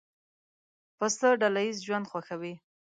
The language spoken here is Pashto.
پسه ډله ییز ژوند خوښوي.